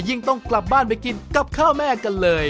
ต้องกลับบ้านไปกินกับข้าวแม่กันเลย